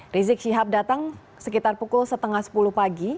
rizik syihab datang sekitar pukul setengah sepuluh pagi